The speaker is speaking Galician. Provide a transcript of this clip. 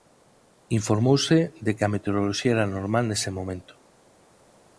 Informouse de que a meteoroloxía era normal nese momento.